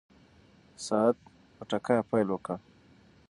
ساعت په ټکا پیل وکړ.